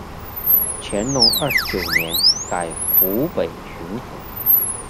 乾隆二十九年改湖北巡抚。